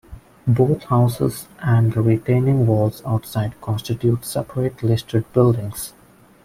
Both houses and the retaining walls outside constitute separate listed buildings.